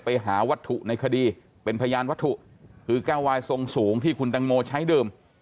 ไปหาวัตถุในคดีเป็นพยานวัตถุคือแก้ววายทรงสูงที่คุณตังโมใช้ดื่ม